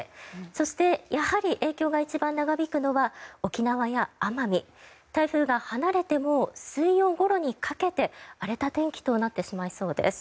そして、やはり影響が一番長引くのは沖縄や奄美台風が離れても水曜ごろにかけて荒れた天気となってしまいそうです。